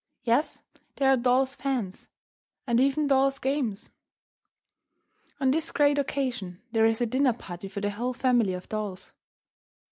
Yes, there are dolls' fans, and even dolls' games. On this great occasion there is a dinner party for the whole family of dolls.